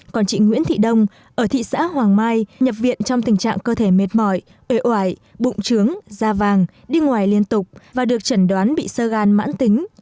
còn chị nguyễn thị đông ở thị xã hoàng mai nhập viện trong tình trạng cơ thể mệt mỏi bụng trướng da vàng đi ngoài liên tục và được chẩn đoán bị sơ gan mãn tính